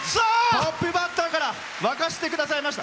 トップバッターから沸かせてくださいました。